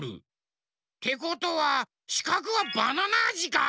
てことはしかくはバナナあじか！